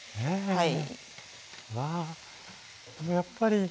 はい。